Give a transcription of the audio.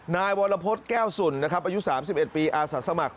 นายวรพฤษแก้วสุนนะครับอายุ๓๑ปีอาสาสมัคร